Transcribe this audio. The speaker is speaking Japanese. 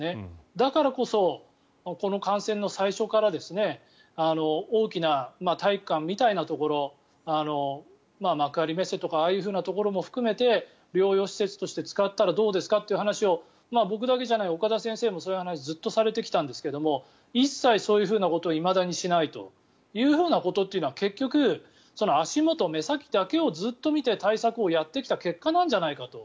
だからこそこの感染の最初から大きな体育館みたいなところ幕張メッセとかああいうふうなところも含めて療養施設として使ったらどうですかという話を僕だけじゃない、岡田先生もずっとお話しされてきたんですが一切そういうふうなことをいまだにしないというふうなことって結局、足元、目先だけをずっと見て対策をやってきた結果なんじゃないかと。